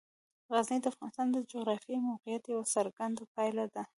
غزني د افغانستان د جغرافیایي موقیعت یوه څرګنده پایله ده.